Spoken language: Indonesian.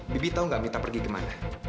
bibi tahu nggak mita pergi ke mana